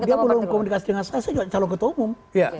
dia belum komunikasi dengan saya saya juga calon ketua umum